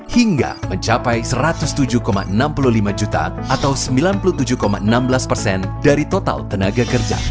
hingga mencapai satu ratus tujuh enam puluh lima juta atau sembilan puluh tujuh enam belas persen dari total tenaga kerja